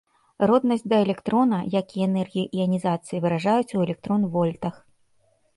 Роднасць да электрона, як і энергію іанізацыі, выражаюць у электрон-вольтах.